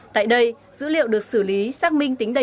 tại đây dữ liệu được xử lý xác minh tính đầy